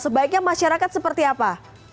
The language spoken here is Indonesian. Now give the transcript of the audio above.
sebaiknya masyarakat seperti apa